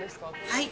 はい。